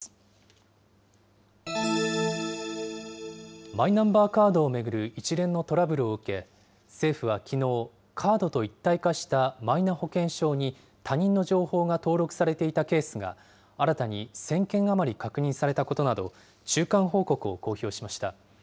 その上で、核保有国と核の傘のもとにある国に対して、核抑止への依存から脱却し、核兵器廃絶へのマイナンバーカードを巡る一連のトラブルを受け、政府はきのう、カードと一体化したマイナ保険証に他人の情報が登録されていたケースが新たに１０００件余り確認されたことなど、中間報告を公表しました。